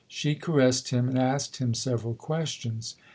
She caressed him and asked him several questions.